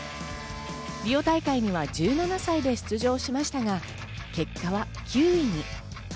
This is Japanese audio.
リオ大会には１７歳で出場しましたが、結果は９位に。